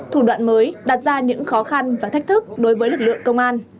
thủ đoạn mới đặt ra những khó khăn và thách thức đối với lực lượng công an